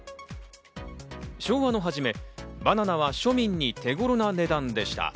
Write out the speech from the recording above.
昭和の初め、バナナは庶民に手頃な値段でした。